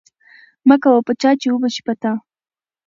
مه کوه په چا، چي وبه سي په تا